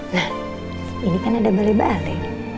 nah ini kan ada bale bale